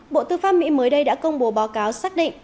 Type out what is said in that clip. bộ tư pháp mỹ mới đây đã công bố báo cáo xác định